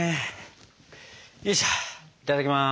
いただきます！